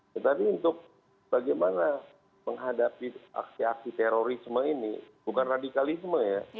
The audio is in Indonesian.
tetapi untuk bagaimana menghadapi aksi aksi terorisme ini bukan radikalisme ya